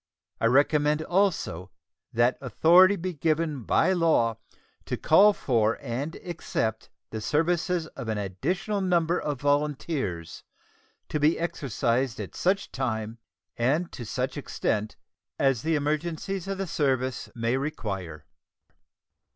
I recommend also that authority be given by law to call for and accept the services of an additional number of volunteers, to be exercised at such time and to such extent as the emergencies of the service may require.